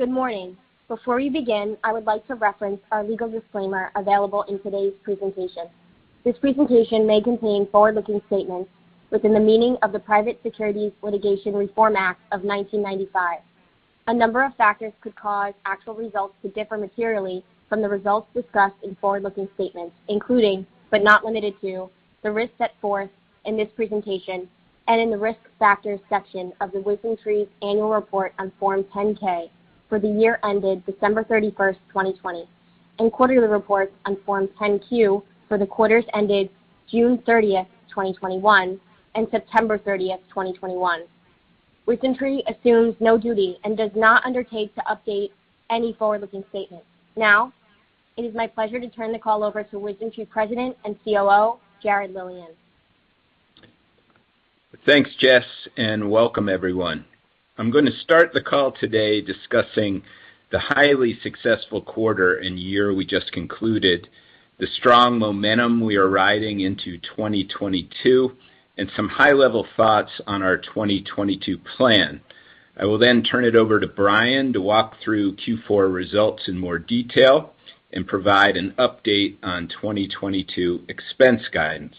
Good morning. Before we begin, I would like to reference our legal disclaimer available in today's presentation. This presentation may contain forward-looking statements within the meaning of the Private Securities Litigation Reform Act of 1995. A number of factors could cause actual results to differ materially from the results discussed in forward-looking statements, including, but not limited to, the risks set forth in this presentation and in the Risk Factors section of WisdomTree's annual report on Form 10-K for the year ended December 31, 2020, and quarterly reports on Form 10-Q for the quarters ended June 30, 2021, and September 30, 2021. WisdomTree assumes no duty and does not undertake to update any forward-looking statements. Now, it is my pleasure to turn the call over to WisdomTree President and COO, Jarrett Lilien. Thanks, Jess, and welcome everyone. I'm gonna start the call today discussing the highly successful quarter and year we just concluded, the strong momentum we are riding into 2022, and some high-level thoughts on our 2022 plan. I will then turn it over to Bryan to walk through Q4 results in more detail and provide an update on 2022 expense guidance.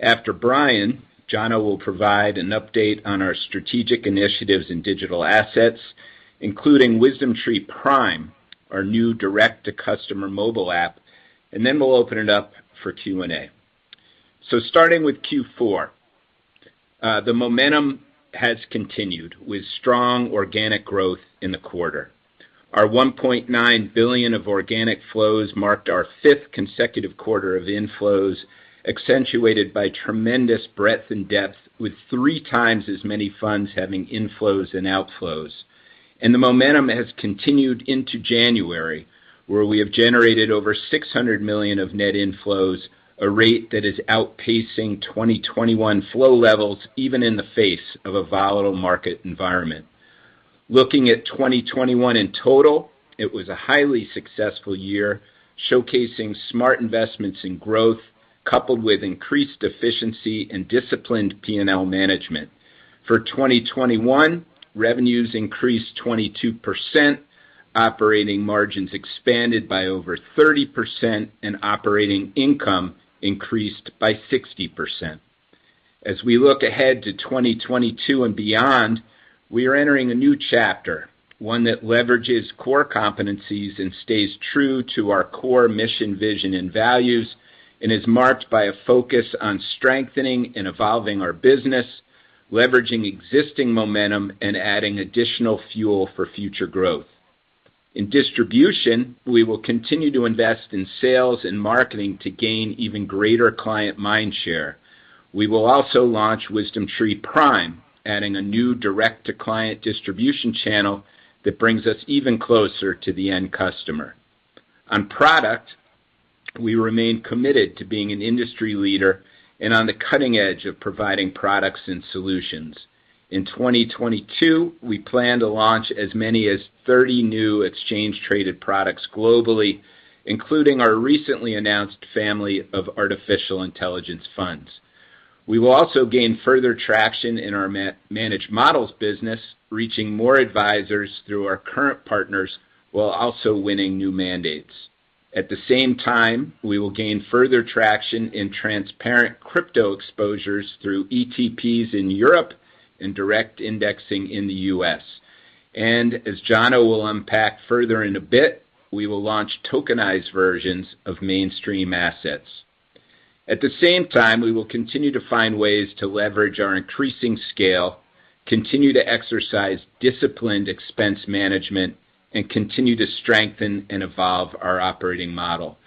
After Bryan, Jona will provide an update on our strategic initiatives in digital assets, including WisdomTree Prime, our new direct-to-consumer mobile app, and then we'll open it up for Q&A. Starting with Q4, the momentum has continued with strong organic growth in the quarter. Our $1.9 billion of organic flows marked our fifth consecutive quarter of inflows, accentuated by tremendous breadth and depth with three times as many funds having inflows and outflows. The momentum has continued into January, where we have generated over $600 million of net inflows, a rate that is outpacing 2021 flow levels, even in the face of a volatile market environment. Looking at 2021 in total, it was a highly successful year, showcasing smart investments in growth, coupled with increased efficiency and disciplined P&L management. For 2021, revenues increased 22%, operating margins expanded by over 30%, and operating income increased by 60%. As we look ahead to 2022 and beyond, we are entering a new chapter, one that leverages core competencies and stays true to our core mission, vision, and values, and is marked by a focus on strengthening and evolving our business, leveraging existing momentum, and adding additional fuel for future growth. In distribution, we will continue to invest in sales and marketing to gain even greater client mindshare. We will also launch WisdomTree Prime, adding a new direct-to-client distribution channel that brings us even closer to the end customer. On product, we remain committed to being an industry leader and on the cutting edge of providing products and solutions. In 2022, we plan to launch as many as 30 new exchange-traded products globally, including our recently announced family of artificial intelligence funds. We will also gain further traction in our managed models business, reaching more advisors through our current partners, while also winning new mandates. At the same time, we will gain further traction in transparent crypto exposures through ETPs in Europe and direct indexing in the U.S. As Jona will unpack further in a bit, we will launch tokenized versions of mainstream assets. At the same time, we will continue to find ways to leverage our increasing scale, continue to exercise disciplined expense management, and continue to strengthen and evolve our operating model.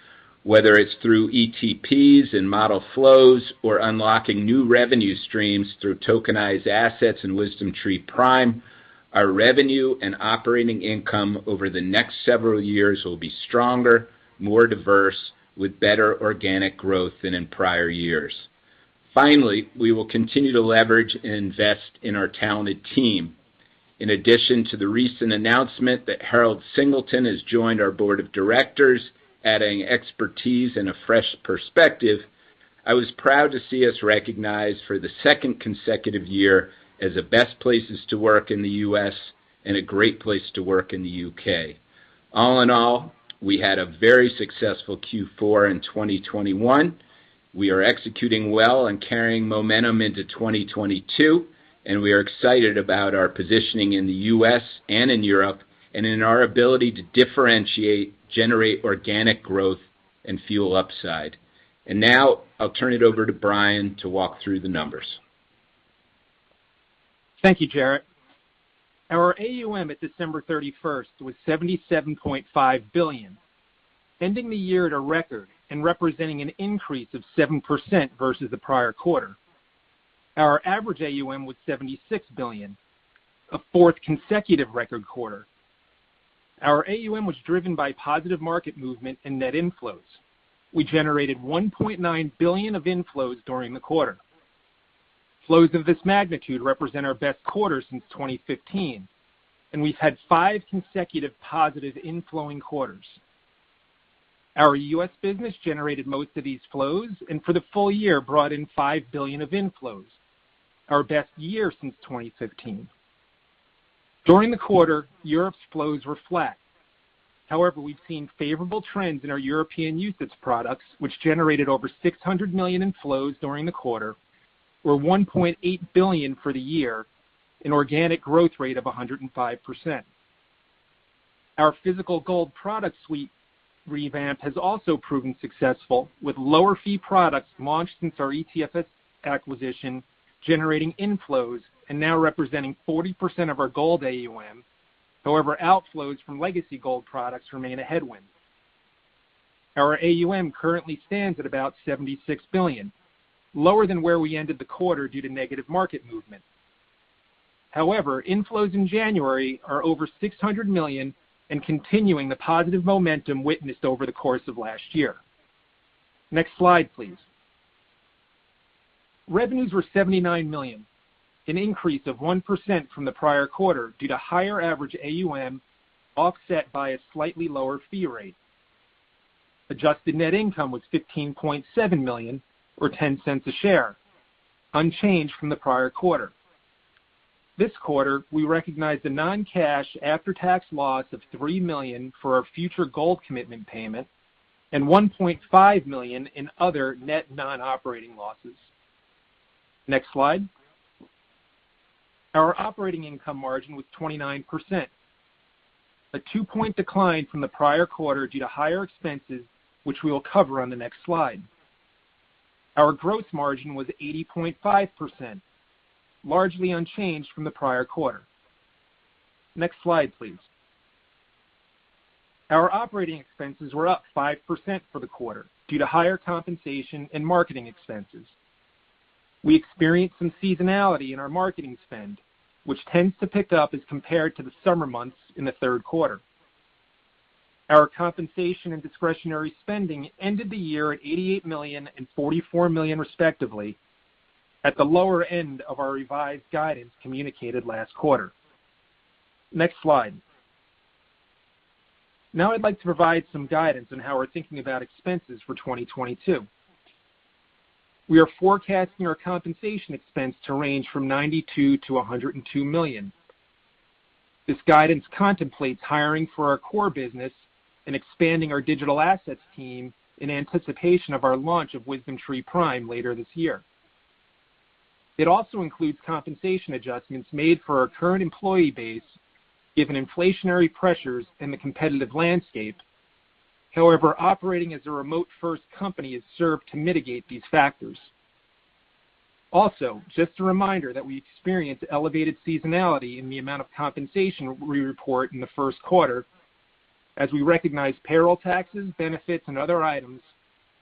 Whether it's through ETPs and model flows or unlocking new revenue streams through tokenized assets and WisdomTree Prime, our revenue and operating income over the next several years will be stronger, more diverse, with better organic growth than in prior years. Finally, we will continue to leverage and invest in our talented team. In addition to the recent announcement that Harold Singleton has joined our board of directors, adding expertise and a fresh perspective, I was proud to see us recognized for the second consecutive year as the best places to work in the U.S. and a great place to work in the U.K. All in all, we had a very successful Q4 in 2021. We are executing well and carrying momentum into 2022, and we are excited about our positioning in the U.S. and in Europe, and in our ability to differentiate, generate organic growth, and fuel upside. Now, I'll turn it over to Bryan to walk through the numbers. Thank you, Jarrett Lilien. Our AUM at December 31 was $77.5 billion, ending the year at a record and representing an increase of 7% versus the prior quarter. Our average AUM was $76 billion, a fourth consecutive record quarter. Our AUM was driven by positive market movement and net inflows. We generated $1.9 billion of inflows during the quarter. Flows of this magnitude represent our best quarter since 2015, and we've had five consecutive positive inflowing quarters. Our US business generated most of these flows, and for the full year brought in $5 billion of inflows, our best year since 2015. During the quarter, Europe's flows were flat. However, we've seen favorable trends in our European UCITS products, which generated over $600 million in flows during the quarter or $1.8 billion for the year, an organic growth rate of 105%. Our physical gold product suite revamp has also proven successful, with lower fee products launched since our ETFS acquisition, generating inflows and now representing 40% of our gold AUM. However, outflows from legacy gold products remain a headwind. Our AUM currently stands at about $76 billion, lower than where we ended the quarter due to negative market movement. However, inflows in January are over $600 million and continuing the positive momentum witnessed over the course of last year. Next slide, please. Revenues were $79 million, an increase of 1% from the prior quarter due to higher average AUM, offset by a slightly lower fee rate. Adjusted net income was $15.7 million, or $0.10 per share, unchanged from the prior quarter. This quarter, we recognized a non-cash after-tax loss of $3 million for our future gold commitment payment and $1.5 million in other net non-operating losses. Next slide. Our operating income margin was 29%, a two point decline from the prior quarter due to higher expenses, which we will cover on the next slide. Our growth margin was 80.5%, largely unchanged from the prior quarter. Next slide, please. Our operating expenses were up 5% for the quarter due to higher compensation and marketing expenses. We experienced some seasonality in our marketing spend, which tends to pick up as compared to the summer months in the third quarter. Our compensation and discretionary spending ended the year at $88 million and $44 million respectively, at the lower end of our revised guidance communicated last quarter. Next slide. Now I'd like to provide some guidance on how we're thinking about expenses for 2022. We are forecasting our compensation expense to range from $92 million-$102 million. This guidance contemplates hiring for our core business and expanding our digital assets team in anticipation of our launch of WisdomTree Prime later this year. It also includes compensation adjustments made for our current employee base, given inflationary pressures in the competitive landscape. However, operating as a remote-first company has served to mitigate these factors. Also, just a reminder that we experience elevated seasonality in the amount of compensation we report in the first quarter as we recognize payroll taxes, benefits, and other items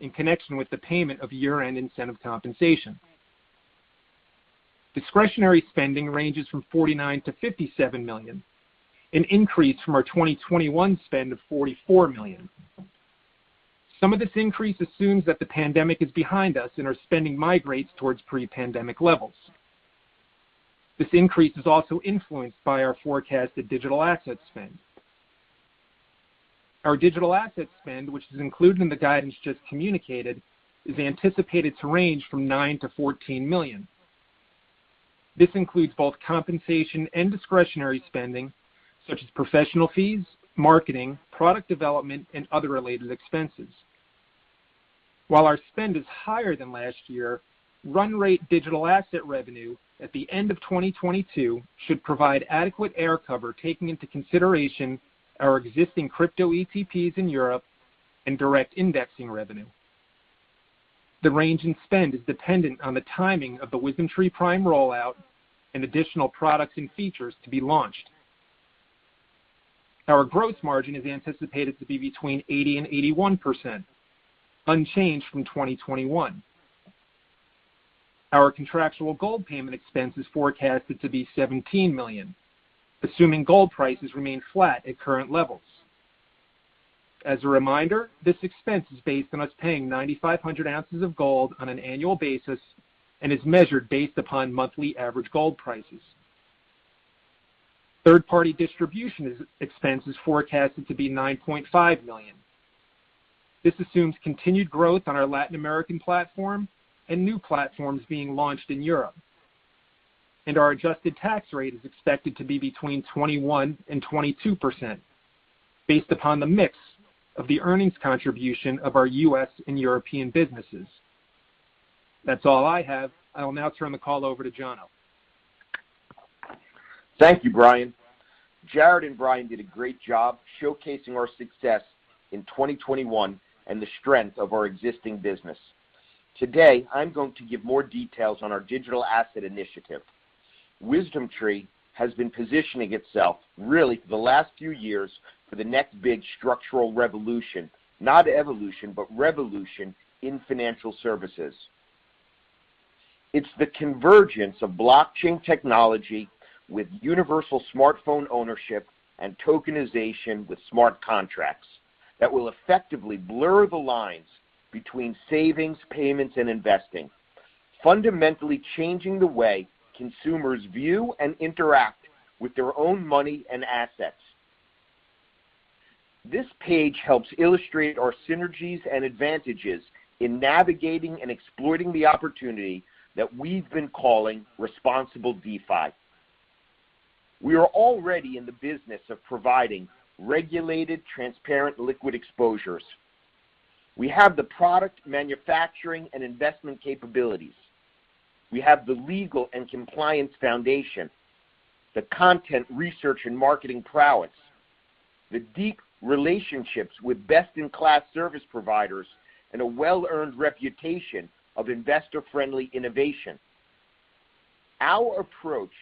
in connection with the payment of year-end incentive compensation. Discretionary spending ranges from $49 million-$57 million, an increase from our 2021 spend of $44 million. Some of this increase assumes that the pandemic is behind us and our spending migrates towards pre-pandemic levels. This increase is also influenced by our forecasted digital asset spend. Our digital asset spend, which is included in the guidance just communicated, is anticipated to range from $9 million-$14 million. This includes both compensation and discretionary spending, such as professional fees, marketing, product development, and other related expenses. While our spend is higher than last year, run rate digital asset revenue at the end of 2022 should provide adequate air cover, taking into consideration our existing crypto ETPs in Europe and direct indexing revenue. The range in spend is dependent on the timing of the WisdomTree Prime rollout and additional products and features to be launched. Our growth margin is anticipated to be between 80% and 81%, unchanged from 2021. Our contractual gold payment expense is forecasted to be $17 million, assuming gold prices remain flat at current levels. As a reminder, this expense is based on us paying 9,500 ounces of gold on an annual basis and is measured based upon monthly average gold prices. Third-party distribution expense is forecasted to be $9.5 million. This assumes continued growth on our Latin American platform and new platforms being launched in Europe. Our adjusted tax rate is expected to be between 21%-22% based upon the mix of the earnings contribution of our US and European businesses. That's all I have. I will now turn the call over to Jona. Thank you, Bryan. Jarrett and Bryan did a great job showcasing our success in 2021 and the strength of our existing business. Today, I'm going to give more details on our digital asset initiative. WisdomTree has been positioning itself, really for the last few years, for the next big structural revolution, not evolution, but revolution in financial services. It's the convergence of blockchain technology with universal smartphone ownership and tokenization with smart contracts that will effectively blur the lines between savings, payments, and investing, fundamentally changing the way consumers view and interact with their own money and assets. This page helps illustrate our synergies and advantages in navigating and exploiting the opportunity that we've been calling Responsible DeFi. We are already in the business of providing regulated, transparent, liquid exposures. We have the product manufacturing and investment capabilities. We have the legal and compliance foundation, the content research and marketing prowess, the deep relationships with best-in-class service providers, and a well-earned reputation of investor-friendly innovation. Our approach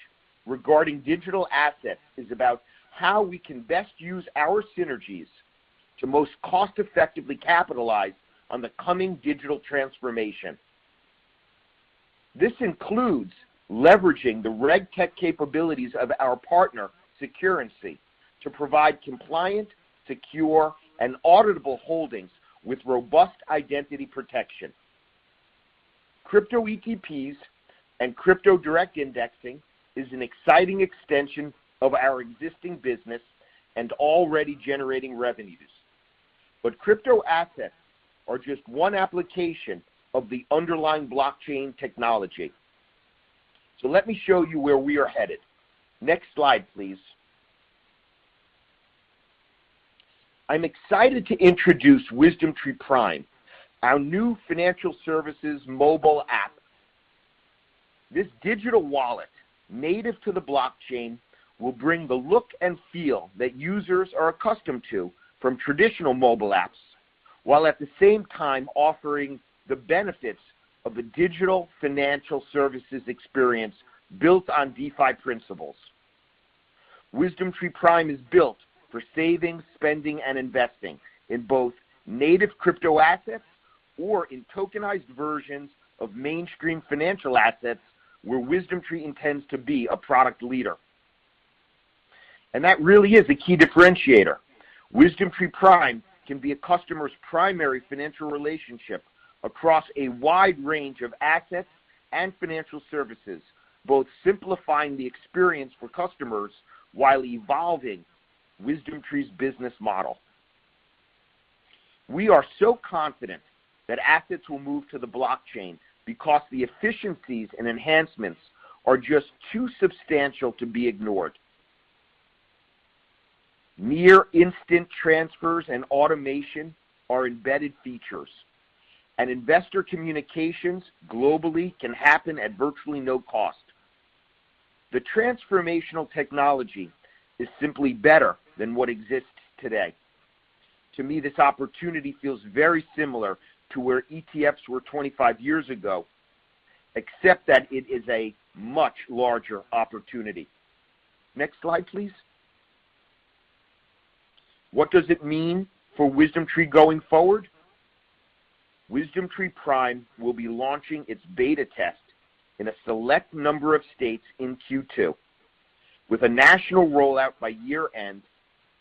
regarding digital assets is about how we can best use our synergies to most cost-effectively capitalize on the coming digital transformation. This includes leveraging the RegTech capabilities of our partner, Securrency, to provide compliant, secure, and auditable holdings with robust identity protection. Crypto ETPs and crypto direct indexing is an exciting extension of our existing business and already generating revenues. Crypto assets are just one application of the underlying blockchain technology. Let me show you where we are headed. Next slide, please. I'm excited to introduce WisdomTree Prime, our new financial services mobile app. This digital wallet, native to the blockchain, will bring the look and feel that users are accustomed to from traditional mobile apps, while at the same time offering the benefits of a digital financial services experience built on DeFi principles. WisdomTree Prime is built for saving, spending, and investing in both native crypto assets or in tokenized versions of mainstream financial assets, where WisdomTree intends to be a product leader. That really is the key differentiator. WisdomTree Prime can be a customer's primary financial relationship across a wide range of assets and financial services, both simplifying the experience for customers while evolving WisdomTree's business model. We are so confident that assets will move to the blockchain because the efficiencies and enhancements are just too substantial to be ignored. Near instant transfers and automation are embedded features, and investor communications globally can happen at virtually no cost. The transformational technology is simply better than what exists today. To me, this opportunity feels very similar to where ETFs were 25 years ago, except that it is a much larger opportunity. Next slide, please. What does it mean for WisdomTree going forward? WisdomTree Prime will be launching its beta test in a select number of states in Q2, with a national rollout by year-end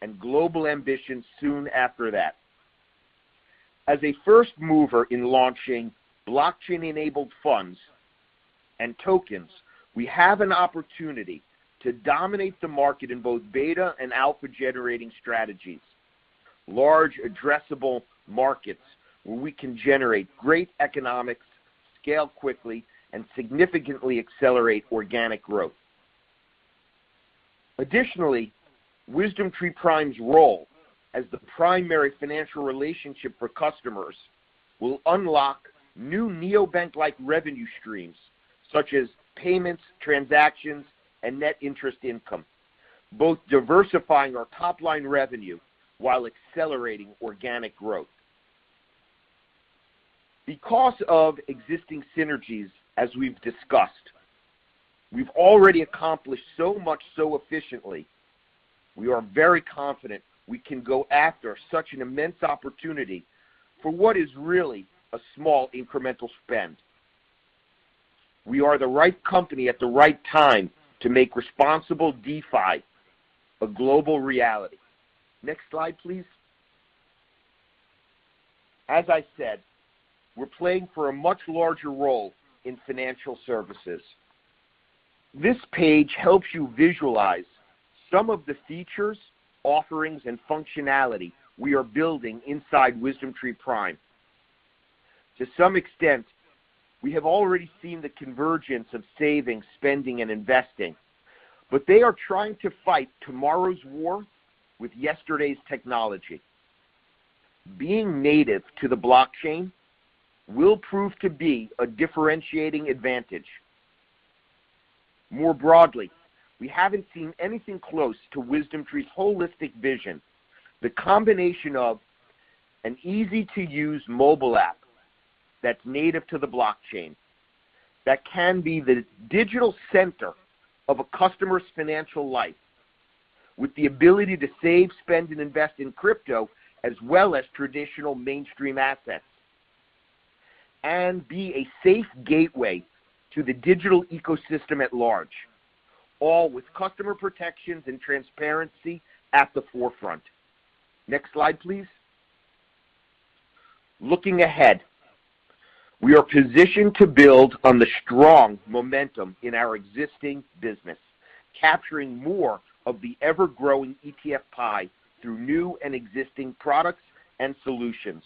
and global ambitions soon after that. As a first mover in launching blockchain-enabled funds and tokens, we have an opportunity to dominate the market in both beta and alpha-generating strategies, large addressable markets where we can generate great economics, scale quickly, and significantly accelerate organic growth. Additionally, WisdomTree Prime's role as the primary financial relationship for customers will unlock new neobank-like revenue streams such as payments, transactions, and net interest income, both diversifying our top-line revenue while accelerating organic growth. Because of existing synergies, as we've discussed, we've already accomplished so much so efficiently, we are very confident we can go after such an immense opportunity for what is really a small incremental spend. We are the right company at the right time to make Responsible DeFi a global reality. Next slide, please. As I said, we're playing for a much larger role in financial services. This page helps you visualize some of the features, offerings, and functionality we are building inside WisdomTree Prime. To some extent, we have already seen the convergence of saving, spending, and investing, but they are trying to fight tomorrow's war with yesterday's technology. Being native to the blockchain will prove to be a differentiating advantage. More broadly, we haven't seen anything close to WisdomTree's holistic vision. The combination of an easy-to-use mobile app that's native to the blockchain that can be the digital center of a customer's financial life with the ability to save, spend, and invest in crypto as well as traditional mainstream assets and be a safe gateway to the digital ecosystem at large, all with customer protections and transparency at the forefront. Next slide, please. Looking ahead, we are positioned to build on the strong momentum in our existing business, capturing more of the ever-growing ETF pie through new and existing products and solutions.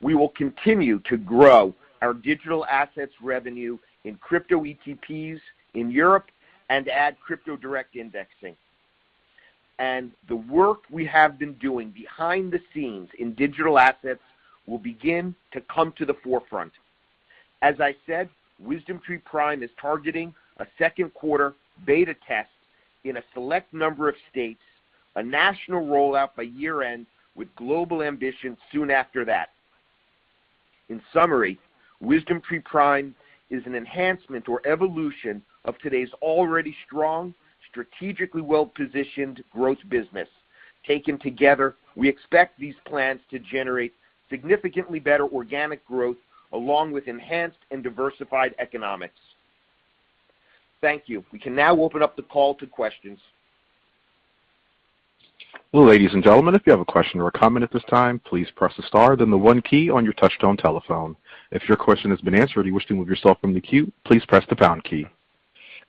We will continue to grow our digital assets revenue in crypto ETPs in Europe and add crypto direct indexing. The work we have been doing behind the scenes in digital assets will begin to come to the forefront. As I said, WisdomTree Prime is targeting a second quarter beta test in a select number of states, a national rollout by year-end with global ambition soon after that. In summary, WisdomTree Prime is an enhancement or evolution of today's already strong, strategically well-positioned growth business. Taken together, we expect these plans to generate significantly better organic growth along with enhanced and diversified economics. Thank you. We can now open up the call to questions. Well, ladies and gentlemen, if you have a question or a comment at this time, please press the star, then the one key on your touchtone telephone. If your question has been answered or you wish to move yourself from the queue, please press the pound key.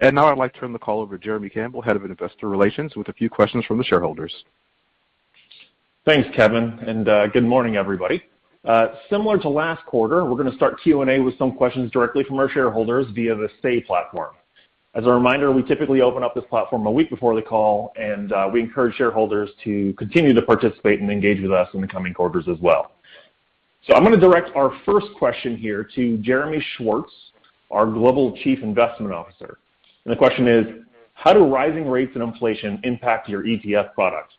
Now I'd like to turn the call over to Jeremy Campbell, Head of Investor Relations, with a few questions from the shareholders. Thanks, Kevin, and good morning, everybody. Similar to last quarter, we're gonna start Q&A with some questions directly from our shareholders via the Say platform. As a reminder, we typically open up this platform a week before the call, and we encourage shareholders to continue to participate and engage with us in the coming quarters as well. I'm gonna direct our first question here to Jeremy Schwartz, our Global Chief Investment Officer. The question is: how do rising rates in inflation impact your ETF products?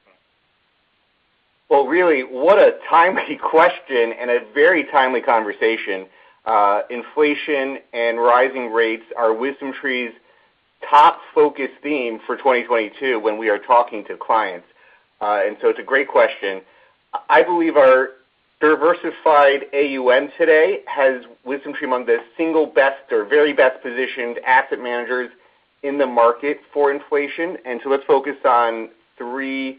Well, really, what a timely question and a very timely conversation. Inflation and rising rates are WisdomTree's top focus theme for 2022 when we are talking to clients. It's a great question. I believe our diversified AUM today has WisdomTree among the single best or very best positioned asset managers in the market for inflation. Let's focus on three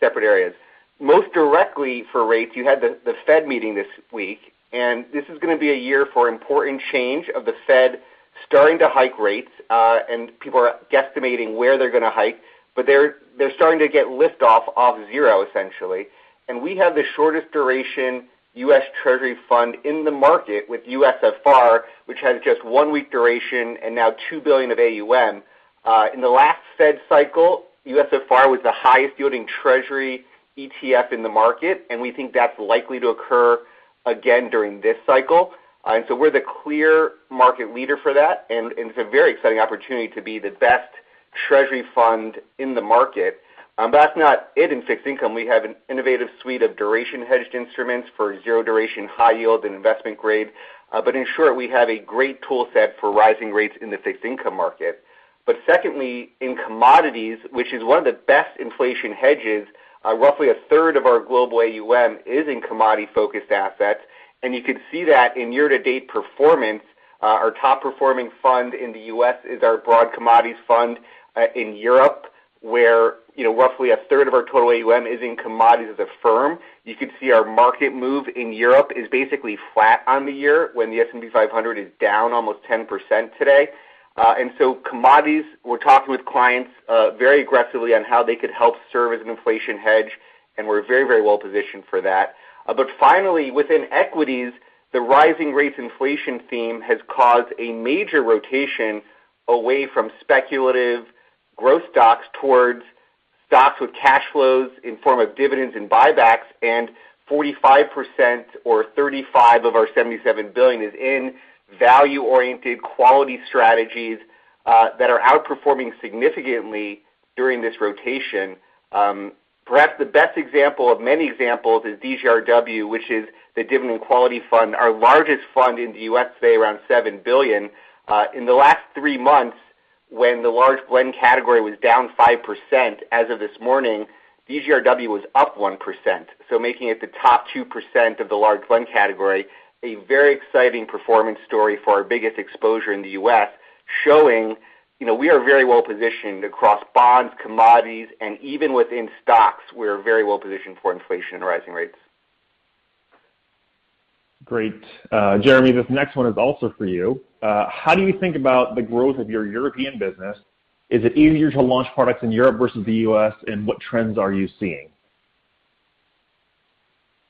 separate areas. Most directly for rates, you had the Fed meeting this week, and this is gonna be a year for important change of the Fed starting to hike rates, and people are guesstimating where they're gonna hike, but they're starting to get lift off zero, essentially. We have the shortest duration US Treasury Fund in the market with USFR, which has just one week duration and now $2 billion of AUM. In the last Fed cycle, USFR was the highest yielding Treasury ETF in the market, and we think that's likely to occur again during this cycle. We're the clear market leader for that, and it's a very exciting opportunity to be the best Treasury fund in the market. That's not all in fixed income. We have an innovative suite of duration hedged instruments for zero duration, high yield and investment grade. In short, we have a great tool set for rising rates in the fixed income market. Secondly, in commodities, which is one of the best inflation hedges, roughly a third of our global AUM is in commodity-focused assets. You could see that in year-to-date performance, our top performing fund in the U.S. is our broad commodities fund, in Europe, where, you know, roughly a third of our total AUM is in commodities as a firm. You could see our market move in Europe is basically flat on the year when the S&P 500 is down almost 10% today. Commodities, we're talking with clients, very aggressively on how they could help serve as an inflation hedge, and we're very, very well positioned for that. Finally, within equities, the rising rates inflation theme has caused a major rotation away from speculative growth stocks towards stocks with cash flows in form of dividends and buybacks, and 45% or 35% of our $77 billion is in value-oriented quality strategies, that are outperforming significantly during this rotation. Perhaps the best example of many examples is DGRW, which is the Dividend Quality Fund, our largest fund in the U.S., say around $7 billion. In the last three months, when the large blend category was down 5%, as of this morning, DGRW was up 1%, so making it the top 2% of the large blend category, a very exciting performance story for our biggest exposure in the U.S., showing, you know, we are very well positioned across bonds, commodities, and even within stocks, we're very well positioned for inflation and rising rates. Great. Jeremy, this next one is also for you. How do you think about the growth of your European business? Is it easier to launch products in Europe versus the U.S., and what trends are you seeing?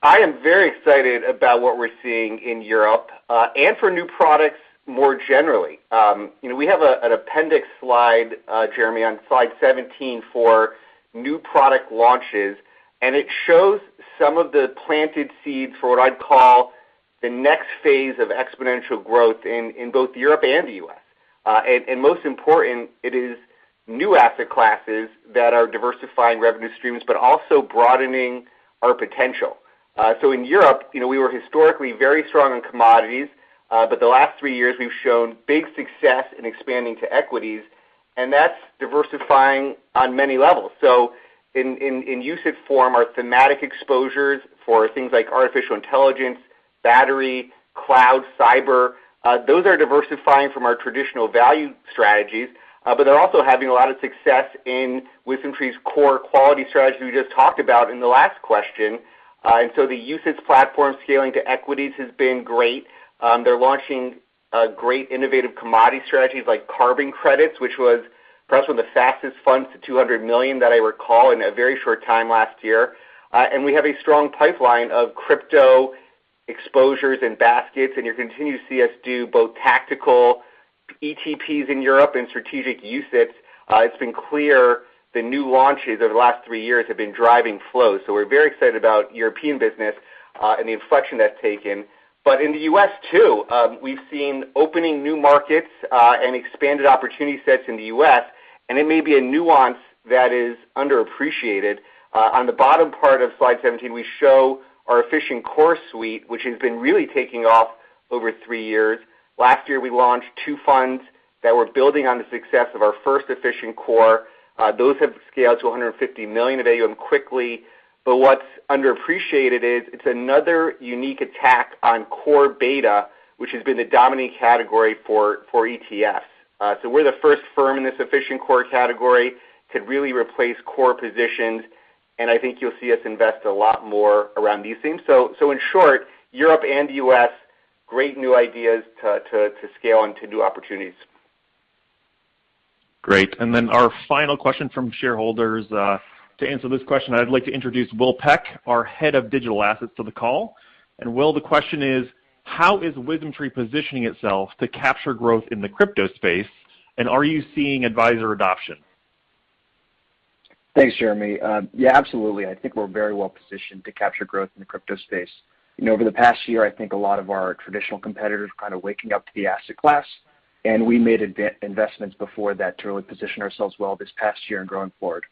I am very excited about what we're seeing in Europe and for new products more generally. You know, we have an appendix slide, Jeremy, on slide 17 for new product launches, and it shows some of the planted seeds for what I'd call the next phase of exponential growth in both Europe and the U.S. Most important, it is new asset classes that are diversifying revenue streams, but also broadening our potential. In Europe, you know, we were historically very strong in commodities, but the last three years we've shown big success in expanding to equities, and that's diversifying on many levels. In UCITS form, our thematic exposures for things like artificial intelligence, battery, cloud, cyber, those are diversifying from our traditional value strategies, but they're also having a lot of success in WisdomTree's core quality strategy we just talked about in the last question. The UCITS platform scaling to equities has been great. They're launching great innovative commodity strategies like carbon credits, which was perhaps one of the fastest funds to $200 million that I recall in a very short time last year. We have a strong pipeline of crypto exposures and baskets, and you'll continue to see us do both tactical ETPs in Europe and strategic UCITS. It's been clear the new launches over the last three years have been driving flow. We're very excited about European business and the inflection that's taken. In the U.S. too, we've seen opening new markets and expanded opportunity sets in the U.S., and it may be a nuance that is underappreciated. On the bottom part of slide 17, we show our Efficient Core suite, which has been really taking off over three years. Last year, we launched two funds that were building on the success of our first Efficient Core. Those have scaled to $150 million of AUM quickly. What's underappreciated is it's another unique attack on core beta, which has been the dominant category for ETFs. We're the first firm in this Efficient Core category to really replace core positions, and I think you'll see us invest a lot more around these themes. In short, Europe and U.S., great new ideas to scale into new opportunities. Great. Then our final question from shareholders, to answer this question, I'd like to introduce Will Peck, our head of digital assets, to the call. Will, the question is, how is WisdomTree positioning itself to capture growth in the crypto space, and are you seeing advisor adoption? Thanks, Jeremy. Yeah, absolutely. I think we're very well positioned to capture growth in the crypto space. You know, over the past year, I think a lot of our traditional competitors are kind of waking up to the asset class, and we made advance investments before that to really position ourselves well this past year and going forward.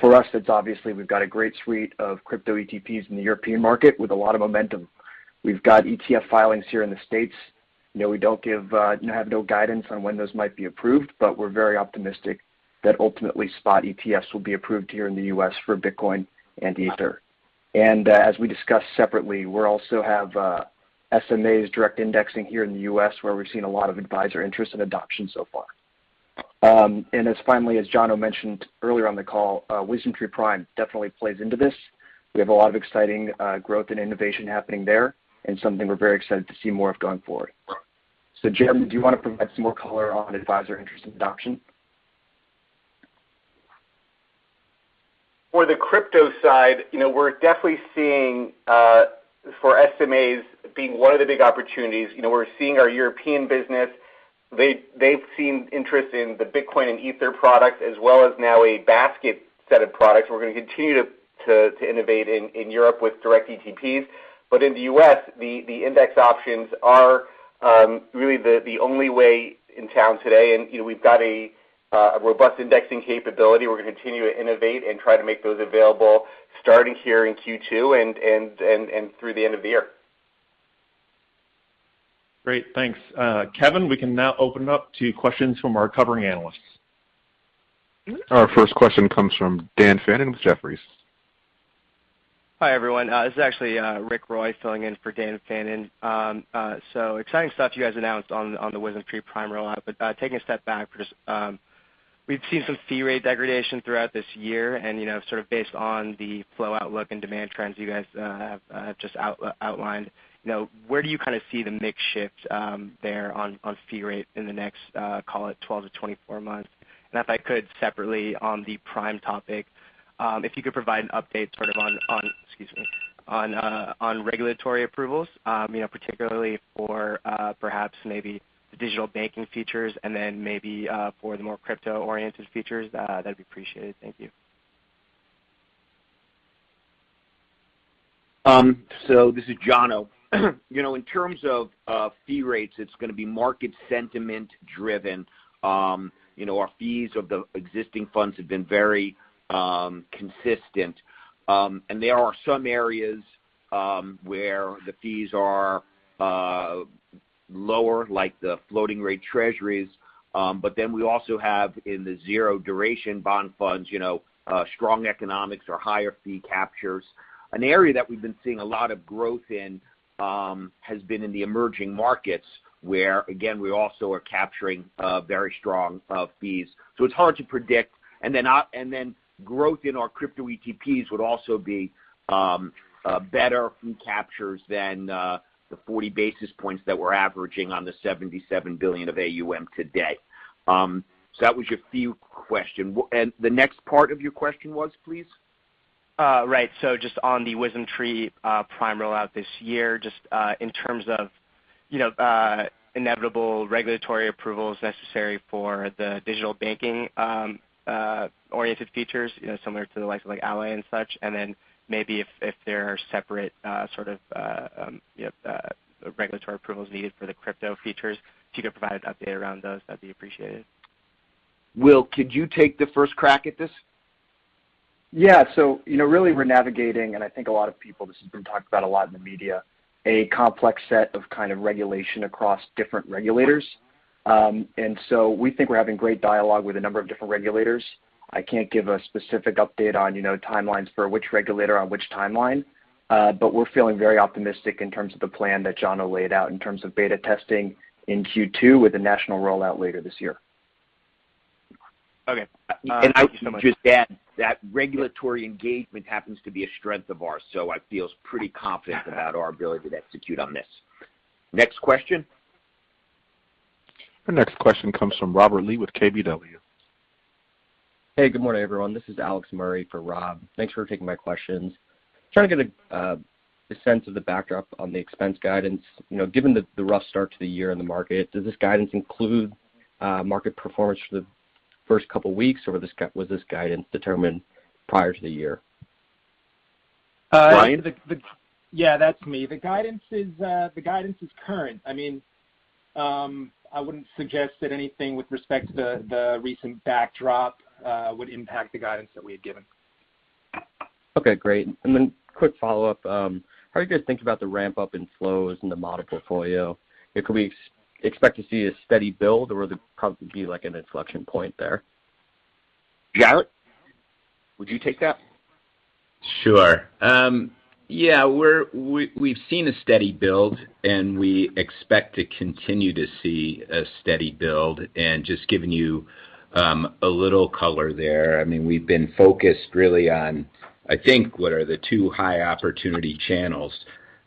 For us, it's obviously we've got a great suite of crypto ETPs in the European market with a lot of momentum. We've got ETF filings here in the States. You know, we don't have guidance on when those might be approved, but we're very optimistic that ultimately spot ETFs will be approved here in the U.S. for Bitcoin and Ether. As we discussed separately, we also have SMAs direct indexing here in the U.S., where we've seen a lot of advisor interest and adoption so far. As finally, as Jona mentioned earlier on the call, WisdomTree Prime definitely plays into this. We have a lot of exciting growth and innovation happening there, and something we're very excited to see more of going forward. Jeremy, do you want to provide some more color on advisor interest and adoption? For the crypto side, you know, we're definitely seeing for SMAs being one of the big opportunities. You know, we're seeing our European business. They've seen interest in the Bitcoin and Ether products, as well as now a basket set of products. We're gonna continue to innovate in Europe with direct ETPs. In the U.S., the index options are really the only way in town today. You know, we've got a robust indexing capability. We're gonna continue to innovate and try to make those available starting here in Q2 and through the end of the year. Great. Thanks. Kevin, we can now open up to questions from our covering analysts. Our first question comes from Dan Fannon with Jefferies. Hi, everyone. This is actually Ritwik Roy filling in for Dan Fannon. Exciting stuff you guys announced on the WisdomTree Prime rollout. Taking a step back for just, we've seen some fee rate degradation throughout this year and, you know, sort of based on the flow outlook and demand trends you guys have just outlined. You know, where do you kind of see the mix shift there on fee rate in the next, call it 12-24 months? And if I could separately on the Prime topic, if you could provide an update sort of on, excuse me, on regulatory approvals, you know, particularly for perhaps maybe the digital banking features and then maybe for the more crypto-oriented features, that'd be appreciated. Thank you. This is Jona. You know, in terms of fee rates, it's gonna be market sentiment driven. You know, our fees of the existing funds have been very consistent. There are some areas where the fees are lower, like the floating rate Treasuries. We also have in the zero-duration bond funds, you know, strong economics or higher fee captures. An area that we've been seeing a lot of growth in has been in the emerging markets, where again, we also are capturing very strong fees. It's hard to predict. Growth in our crypto ETPs would also be better fee captures than the 40 basis points that we're averaging on the $77 billion of AUM today. That was your fee question. The next part of your question was, please? Right. Just on the WisdomTree Prime rollout this year, just in terms of you know inevitable regulatory approvals necessary for the digital banking oriented features, you know, similar to the likes of Ally and such. Maybe if there are separate sort of you know regulatory approvals needed for the crypto features. If you could provide an update around those, that'd be appreciated. Will, could you take the first crack at this? Yeah. You know, really we're navigating, and I think a lot of people, this has been talked about a lot in the media, a complex set of kind of regulation across different regulators. We think we're having great dialogue with a number of different regulators. I can't give a specific update on, you know, timelines for which regulator on which timeline, but we're feeling very optimistic in terms of the plan that Jona laid out in terms of beta testing in Q2 with a national rollout later this year. Okay. I would just add that regulatory engagement happens to be a strength of ours, so I feel pretty confident about our ability to execute on this. Next question. Our next question comes from Robert Lee with KBW. Hey, good morning, everyone. This is Alex Murray for Rob. Thanks for taking my questions. Trying to get a sense of the backdrop on the expense guidance. You know, given the rough start to the year in the market, does this guidance include market performance for the first couple of weeks, or was this guidance determined prior to the year? Bryan? Yeah, that's me. The guidance is current. I mean, I wouldn't suggest that anything with respect to the recent backdrop would impact the guidance that we had given. Okay, great. Quick follow-up. How are you guys thinking about the ramp-up in flows in the model portfolio? Could we expect to see a steady build or would there probably be like an inflection point there? Jarrett, would you take that? Sure. We've seen a steady build, and we expect to continue to see a steady build. Just giving you a little color there, I mean, we've been focused really on, I think, what are the two high opportunity channels,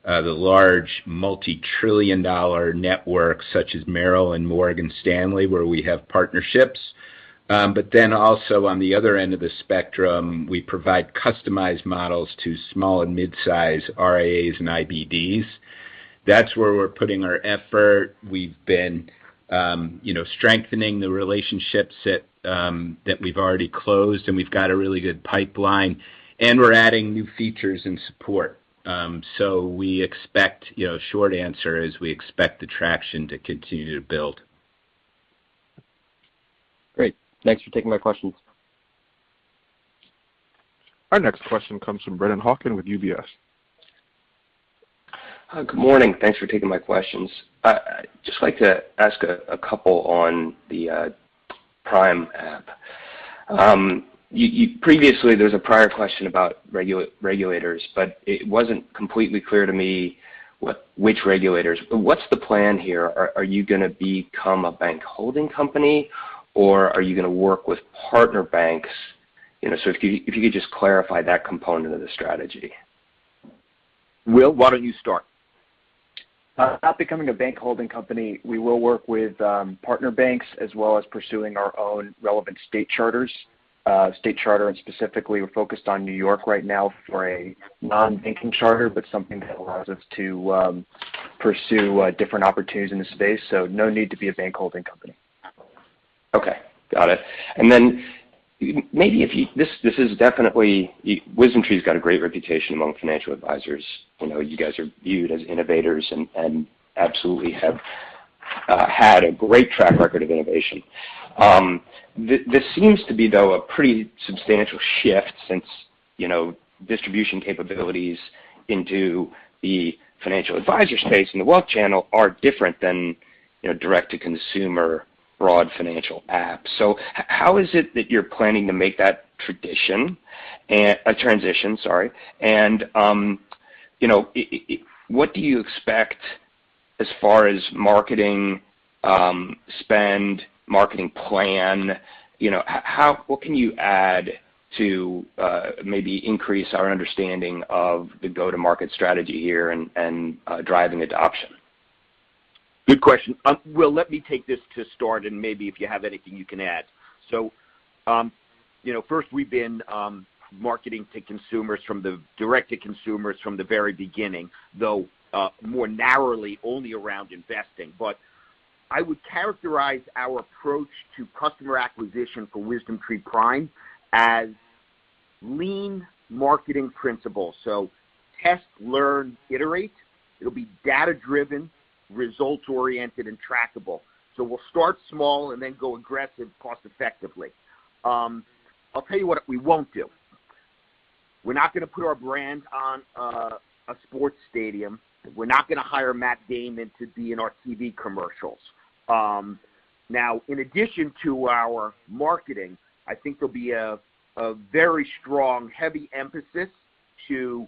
the large multi-trillion-dollar networks such as Merrill and Morgan Stanley, where we have partnerships. But then also on the other end of the spectrum, we provide customized models to small and mid-size RIAs and IBDs. That's where we're putting our effort. We've been, you know, strengthening the relationships that we've already closed, and we've got a really good pipeline, and we're adding new features and support. We expect, you know, short answer is we expect the traction to continue to build. Great. Thanks for taking my questions. Our next question comes from Brennan Hawken with UBS. Good morning. Thanks for taking my questions. I'd just like to ask a couple on the Prime app. Previously, there was a prior question about regulators, but it wasn't completely clear to me which regulators. What's the plan here? Are you gonna become a bank holding company, or are you gonna work with partner banks? You know, so if you could just clarify that component of the strategy. Will, why don't you start? Not becoming a bank holding company. We will work with partner banks as well as pursuing our own relevant state charters, and specifically, we're focused on New York right now for a non-banking charter, but something that allows us to pursue different opportunities in the space. No need to be a bank holding company. Okay. Got it. This is definitely WisdomTree's got a great reputation among financial advisors. You know, you guys are viewed as innovators and absolutely have had a great track record of innovation. This seems to be, though, a pretty substantial shift since, you know, distribution capabilities into the financial advisor space and the wealth channel are different than, you know, direct to consumer broad financial apps. How is it that you're planning to make that transition, sorry. You know, what do you expect as far as marketing spend, marketing plan? You know, what can you add to maybe increase our understanding of the go-to-market strategy here and driving adoption? Good question. Will, let me take this to start, and maybe if you have anything you can add. You know, first we've been marketing to consumers direct to consumers from the very beginning, though, more narrowly only around investing. I would characterize our approach to customer acquisition for WisdomTree Prime as lean marketing principles. Test, learn, iterate. It'll be data-driven, results-oriented, and trackable. We'll start small and then go aggressive cost-effectively. I'll tell you what we won't do. We're not gonna put our brand on a sports stadium. We're not gonna hire Matt Damon to be in our TV commercials. Now, in addition to our marketing, I think there'll be a very strong, heavy emphasis to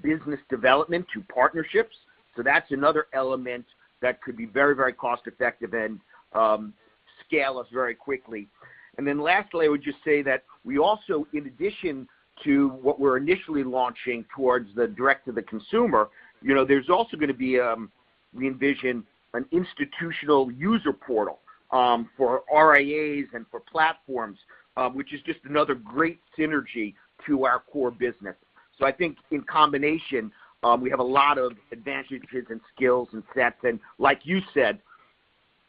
business development, to partnerships. That's another element that could be very, very cost-effective and scale us very quickly. Then lastly, I would just say that we also, in addition to what we're initially launching towards the direct to the consumer, you know, there's also gonna be, we envision an institutional user portal for RIAs and for platforms, which is just another great synergy to our core business. I think in combination, we have a lot of advantages and skills and stats. Like you said,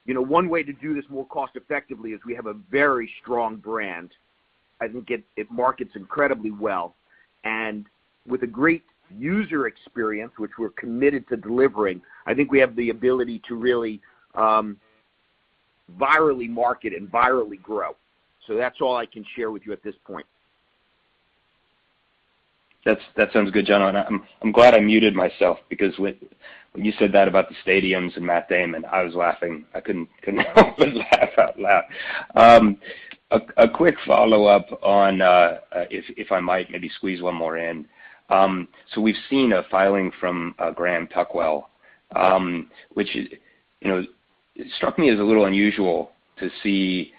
you know, one way to do this more cost-effectively is we have a very strong brand. I think it markets incredibly well. With a great user experience, which we're committed to delivering, I think we have the ability to really virally market and virally grow. That's all I can share with you at this point. That sounds good, Jona. I'm glad I muted myself because when you said that about the stadiums and Matt Damon, I was laughing. I couldn't help but laugh out loud. A quick follow-up on if I might maybe squeeze one more in. So we've seen a filing from Graham Tuckwell, which is. You know, it struck me as a little unusual to see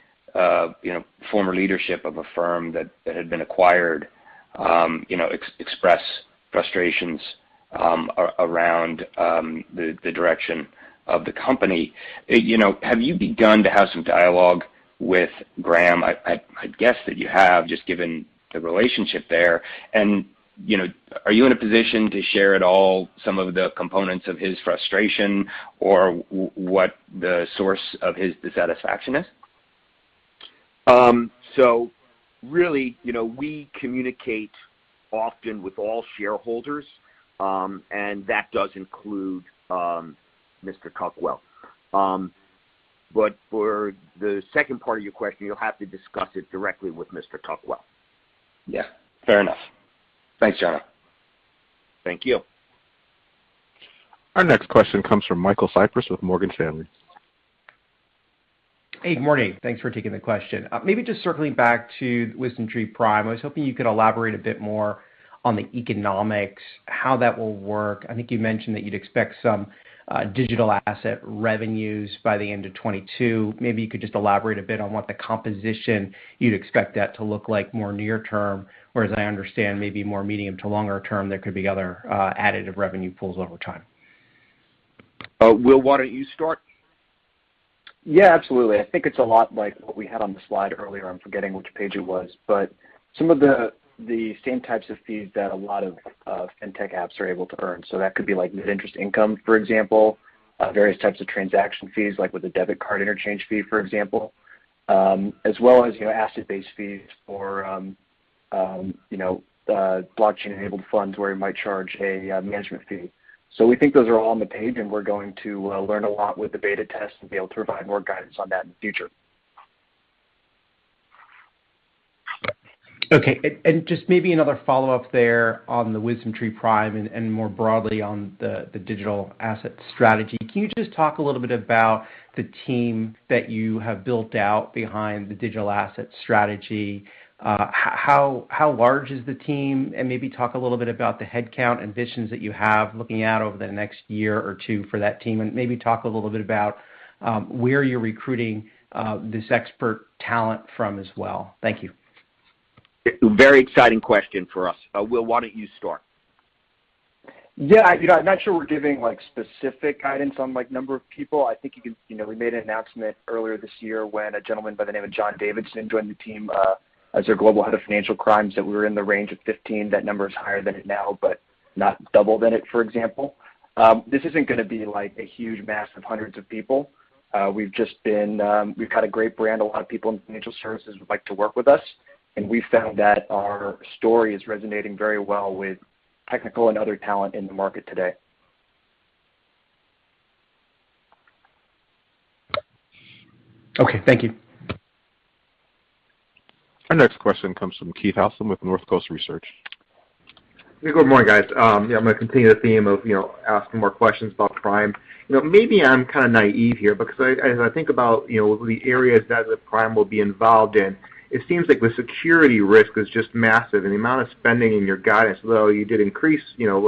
former leadership of a firm that had been acquired express frustrations around the direction of the company. You know, have you begun to have some dialogue with Graham? I'd guess that you have, just given the relationship there. you know, are you in a position to share at all some of the components of his frustration or what the source of his dissatisfaction is? Really, you know, we communicate often with all shareholders, and that does include Mr. Tuckwell. For the second part of your question, you'll have to discuss it directly with Mr. Tuckwell. Yeah, fair enough. Thanks, Jona. Thank you. Our next question comes from Michael Cyprys with Morgan Stanley. Hey, good morning. Thanks for taking the question. Maybe just circling back to WisdomTree Prime, I was hoping you could elaborate a bit more on the economics, how that will work. I think you mentioned that you'd expect some digital asset revenues by the end of 2022. Maybe you could just elaborate a bit on what the composition you'd expect that to look like more near term, or as I understand, maybe more medium to longer term, there could be other additive revenue pools over time. Will, why don't you start? Yeah, absolutely. I think it's a lot like what we had on the slide earlier. I'm forgetting which page it was. Some of the same types of fees that a lot of fintech apps are able to earn. That could be like net interest income, for example, various types of transaction fees, like with a debit card interchange fee, for example, as well as, you know, asset-based fees for, you know, blockchain-enabled funds where you might charge a management fee. We think those are all on the page, and we're going to learn a lot with the beta test and be able to provide more guidance on that in the future. Okay. Just maybe another follow-up there on the WisdomTree Prime and more broadly on the digital asset strategy. Can you just talk a little bit about the team that you have built out behind the digital asset strategy? How large is the team? And maybe talk a little bit about the headcount ambitions that you have looking out over the next year or two for that team, and maybe talk a little bit about where you're recruiting this expert talent from as well. Thank you. Very exciting question for us. Will, why don't you start? Yeah. You know, I'm not sure we're giving, like, specific guidance on, like, number of people. I think you can. You know, we made an announcement earlier this year when a gentleman by the name of John Davidson joined the team, as our Global Head of Financial Crimes, that we were in the range of 15. That number is higher than it now, but not double than it, for example. This isn't gonna be like a huge mass of hundreds of people. We've just been. We've got a great brand. A lot of people in financial services would like to work with us, and we found that our story is resonating very well with technical and other talent in the market today. Okay. Thank you. Our next question comes from Keith Housum with Northcoast Research. Good morning, guys. Yeah, I'm gonna continue the theme of, you know, asking more questions about Prime. You know, maybe I'm kinda naive here because I, as I think about, you know, the areas that the Prime will be involved in, it seems like the security risk is just massive. The amount of spending in your guidance, although you did increase, you know,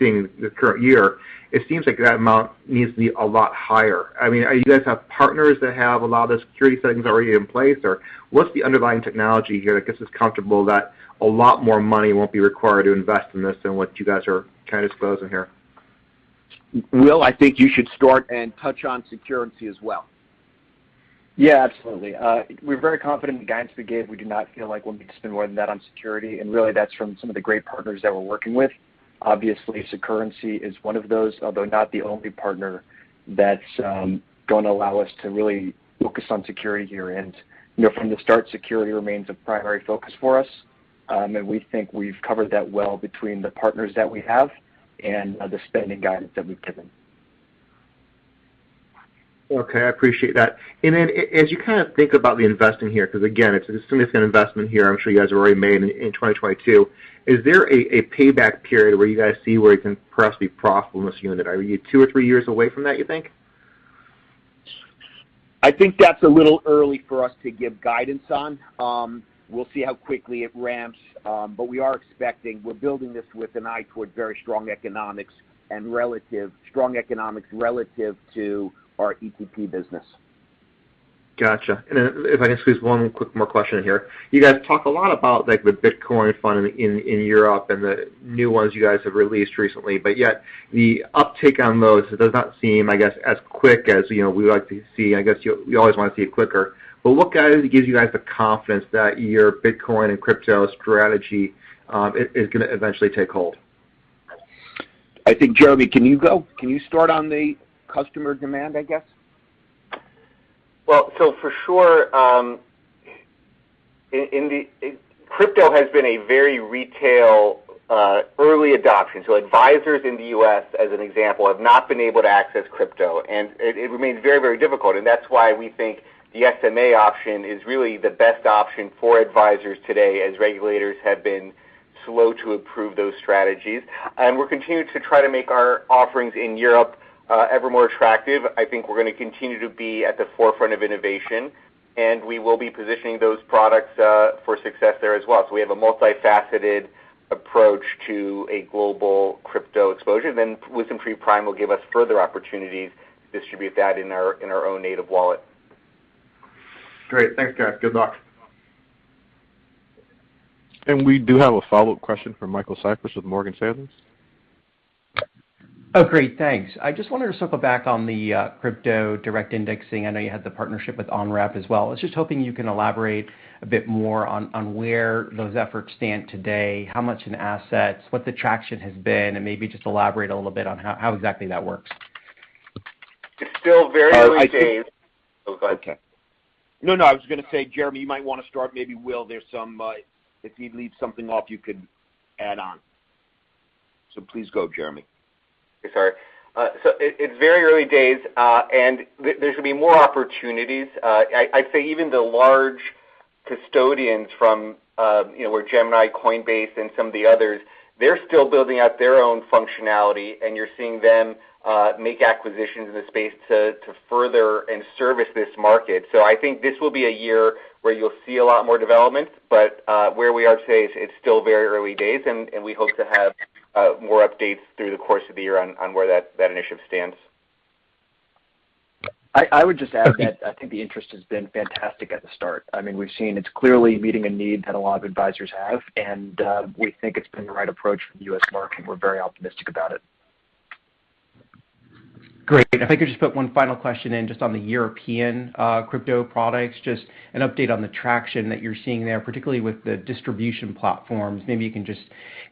what you're seeing the current year, it seems like that amount needs to be a lot higher. I mean, do you guys have partners that have a lot of the security settings already in place? Or what's the underlying technology here that gets us comfortable that a lot more money won't be required to invest in this than what you guys are kinda disclosing here? Will, I think you should start and touch on Securrency as well. Yeah, absolutely. We're very confident in the guidance we gave. We do not feel like we'll need to spend more than that on security, and really that's from some of the great partners that we're working with. Obviously, Securrency is one of those, although not the only partner that's gonna allow us to really focus on security here. You know, from the start, security remains a primary focus for us, and we think we've covered that well between the partners that we have and the spending guidance that we've given. Okay. I appreciate that. As you kind of think about the investing here, because again, it's a significant investment here I'm sure you guys have already made in 2022, is there a payback period where you guys see where you can perhaps be profitable in this unit? Are you two or three years away from that, you think? I think that's a little early for us to give guidance on. We'll see how quickly it ramps. But we are expecting. We're building this with an eye toward very strong economics relative to our ETP business. Gotcha. If I can squeeze one quick more question in here. You guys talk a lot about, like, the Bitcoin fund in Europe and the new ones you guys have released recently, but yet the uptake on those does not seem, I guess, as quick as, you know, we would like to see. I guess you always wanna see it quicker. Look, it gives you guys the confidence that your Bitcoin and crypto strategy is gonna eventually take hold. I think, Jeremy, can you go? Can you start on the customer demand, I guess? Crypto has been a very retail early adoption. Advisors in the U.S., as an example, have not been able to access crypto, and it remains very difficult. That's why we think the SMA option is really the best option for advisors today as regulators have been slow to approve those strategies. We're continuing to try to make our offerings in Europe ever more attractive. I think we're gonna continue to be at the forefront of innovation, and we will be positioning those products for success there as well. We have a multifaceted approach to a global crypto exposure. WisdomTree Prime will give us further opportunities to distribute that in our own native wallet. Great. Thanks, guys. Good luck. We do have a follow-up question from Michael Cyprys with Morgan Stanley. Oh, great. Thanks. I just wanted to circle back on the crypto direct indexing. I know you had the partnership with Onramp as well. I was just hoping you can elaborate a bit more on where those efforts stand today, how much in assets, what the traction has been, and maybe just elaborate a little bit on how exactly that works. It's still very early days. I think. Oh, go ahead. Okay. No, no. I was gonna say, Jeremy, you might wanna start. Maybe Will, there's some. If he leaves something off, you could add on. Please go, Jeremy. Sorry. It, it's very early days, and there should be more opportunities. I'd say even the large custodians from, you know, or Gemini, Coinbase, and some of the others, they're still building out their own functionality, and you're seeing them make acquisitions in the space to further and service this market. I think this will be a year where you'll see a lot more development. Where we are today is it's still very early days, and we hope to have more updates through the course of the year on where that initiative stands. I would just add that I think the interest has been fantastic at the start. I mean, we've seen it's clearly meeting a need that a lot of advisors have, and we think it's been the right approach for the U.S. market, and we're very optimistic about it. Great. If I could just put one final question in just on the European crypto products, just an update on the traction that you're seeing there, particularly with the distribution platforms. Maybe you can just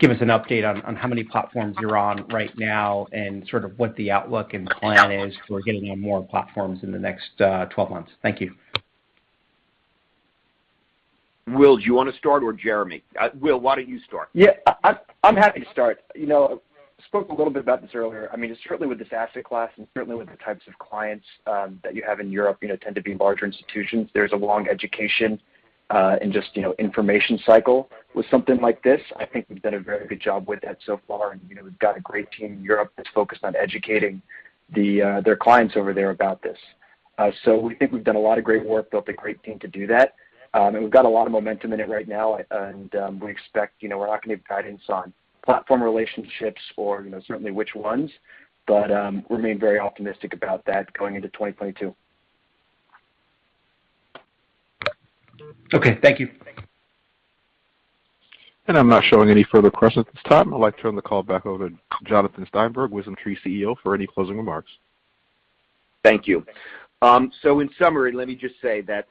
give us an update on how many platforms you're on right now and sort of what the outlook and plan is for getting on more platforms in the next 12 months. Thank you. Will, do you wanna start, or Jeremy? Will, why don't you start? Yeah. I'm happy to start. You know, I spoke a little bit about this earlier. I mean, certainly with this asset class and certainly with the types of clients that you have in Europe tend to be larger institutions. There's a long education and just information cycle with something like this. I think we've done a very good job with that so far, and you know, we've got a great team in Europe that's focused on educating their clients over there about this. So we think we've done a lot of great work, built a great team to do that. And we've got a lot of momentum in it right now and we expect... You know, we're not gonna give guidance on platform relationships or, you know, certainly which ones, but remain very optimistic about that going into 2022. Okay. Thank you. I'm not showing any further questions at this time. I'd like to turn the call back over to Jonathan Steinberg, WisdomTree CEO, for any closing remarks. Thank you. In summary, let me just say that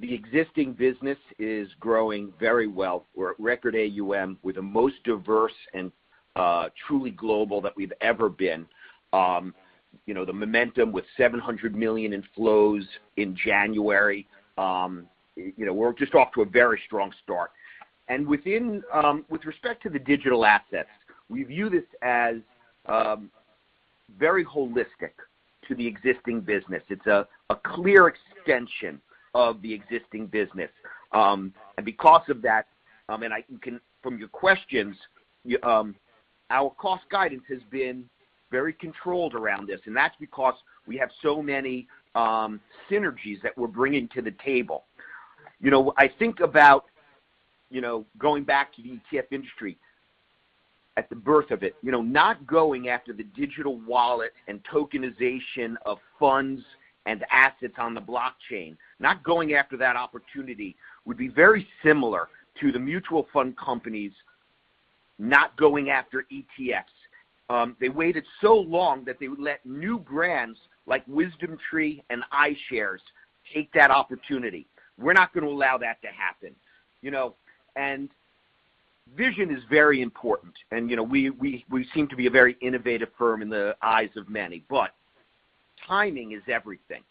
the existing business is growing very well. We're at record AUM. We're the most diverse and truly global that we've ever been. You know, the momentum with $700 million in flows in January, you know, we're just off to a very strong start. With respect to the digital assets, we view this as very holistic to the existing business. It's a clear extension of the existing business. Because of that, from your questions, our cost guidance has been very controlled around this, and that's because we have so many synergies that we're bringing to the table. You know, I think about, you know, going back to the ETF industry at the birth of it. You know, not going after the digital wallet and tokenization of funds and assets on the blockchain, not going after that opportunity would be very similar to the mutual fund companies not going after ETFs. They waited so long that they let new brands like WisdomTree and iShares take that opportunity. We're not gonna allow that to happen, you know. Vision is very important, and, you know, we seem to be a very innovative firm in the eyes of many, but timing is everything.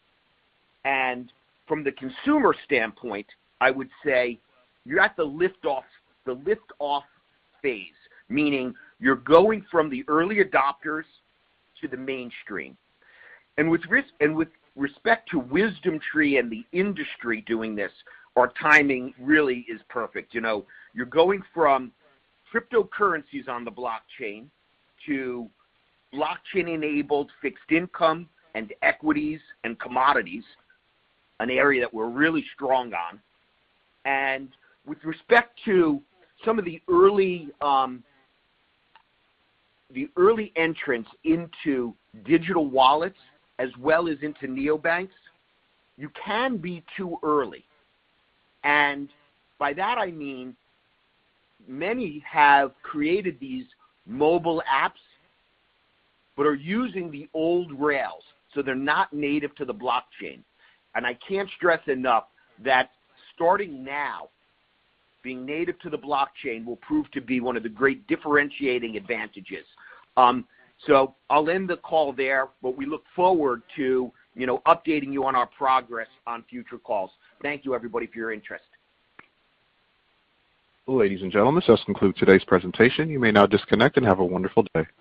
From the consumer standpoint, I would say you're at the lift-off phase, meaning you're going from the early adopters to the mainstream. With respect to WisdomTree and the industry doing this, our timing really is perfect. You know, you're going from cryptocurrencies on the blockchain to blockchain-enabled fixed income and equities and commodities, an area that we're really strong on. With respect to some of the early, the early entrants into digital wallets as well as into neobanks, you can be too early. By that, I mean, many have created these mobile apps but are using the old rails, so they're not native to the blockchain. I can't stress enough that starting now, being native to the blockchain will prove to be one of the great differentiating advantages. I'll end the call there, but we look forward to, you know, updating you on our progress on future calls. Thank you everybody for your interest. Ladies and gentlemen, this does conclude today's presentation. You may now disconnect and have a wonderful day.